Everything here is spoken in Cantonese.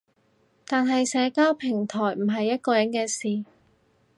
但係社交平台唔係一個人嘅事